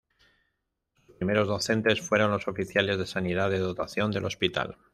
Sus primeros docentes fueron los Oficiales de Sanidad de dotación del hospital.